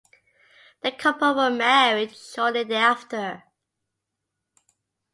The couple were married shortly thereafter.